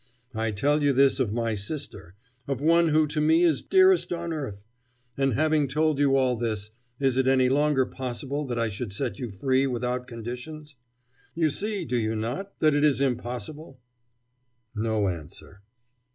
I tell you this of my sister of one who to me is dearest on earth; and, having told you all this, is it any longer possible that I should set you free without conditions? You see, do you not, that it is impossible?" No answer.